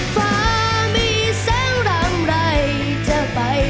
ฟ้ามีแสงรังใดจะไป